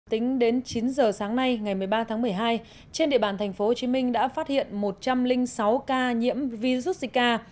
tính đến chín giờ sáng nay ngày một mươi ba tháng một mươi hai trên địa bàn thành phố hồ chí minh đã phát hiện một trăm linh sáu ca nhiễm virus zika